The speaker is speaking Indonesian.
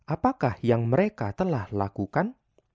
apakah yang mereka telah lakukan